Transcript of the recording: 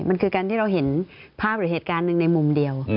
มันคือการที่เราเห็นภาพหรือเหตุการณ์หนึ่งในมุมเดียว